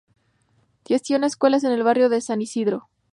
Gestiona escuelas en el barrio de San Ysidro.